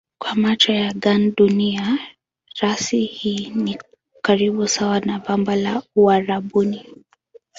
Kwa macho ya gandunia rasi hii ni karibu sawa na bamba la Uarabuni.